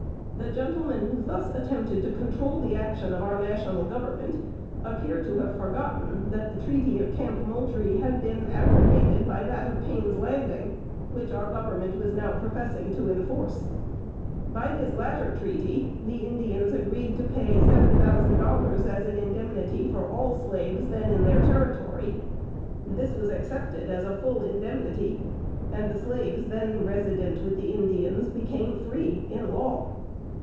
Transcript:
The gentlemen who thus attempted to control the action of our National Government appear to have forgotten that the treaty of Camp Moultrie had been abrogated by that of Payne's Landing, which our Government was now professing to enforce. By this latter treaty, the Indians agreed to pay seven thousand dollars as an indemnity for all slaves then in their territory. This was accepted as a full indemnity, and the slaves then resident with the Indians became free in law.